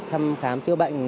thăm khám chữa bệnh